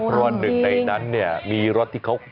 เพราะอันหนึ่งในนั้นมีรถที่เขา